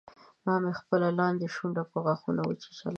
ما مې خپله لاندۍ شونډه په غاښونو وچیچله